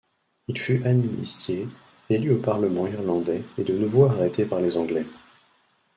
Il fut amnistié, élu au Parlement irlandais et de nouveau arrêté par les anglais.